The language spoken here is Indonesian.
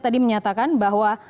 tadi menyatakan bahwa